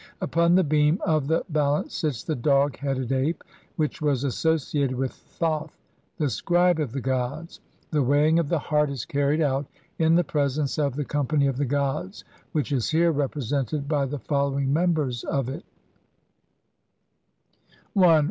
Upon the beam of the ba lance sits the dog headed ape which was associated with Thoth, the scribe of the gods. The weighing of the heart is carried out in the presence of the com pany of the gods, which is here represented by the following" members of it :— i